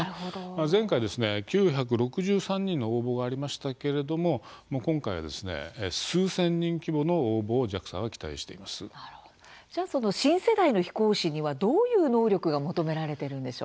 前回、９６３人の応募がありましたけれども今回、数千人規模の応募をＪＡＸＡはじゃあ新世代の飛行士にはどういう能力が求められているんでしょう。